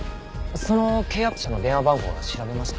その契約者の電話番号は調べました？